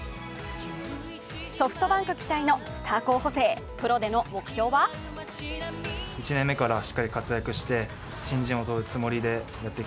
ソフトバンク期待のスター候補生、プロでの目標はかわいい子なんですよ。